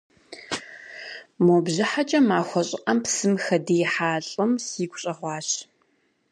Мо бжьыхьэкӏэ махуэ щӏыӏэм псым хэдиихьа лӏым сигу щӏэгъуащ.